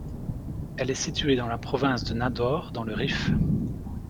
Elle est située dans la province de Nador dans le Rif.